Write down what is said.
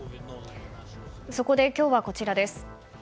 そこで今日は、こちらです。